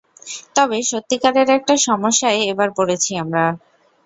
তবে, সত্যিকারের একটা সমস্যায় এবার পরেছি আমরা!